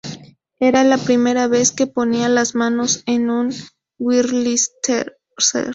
Era la primera vez que ponía las manos en un Wurlitzer".